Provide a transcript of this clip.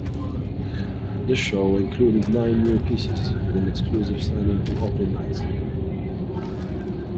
The show included nine new pieces, with an exclusive signing on opening night.